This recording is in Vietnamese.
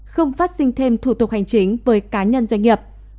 không phát sinh thêm thủ tục hành chính với cá nhân doanh nghiệp